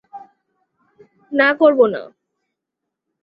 না করবো না।